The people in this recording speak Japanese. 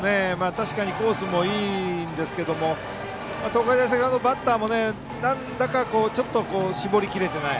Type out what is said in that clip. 確かにコースもいいんですけども東海大菅生のバッターもちょっと絞りきれてない。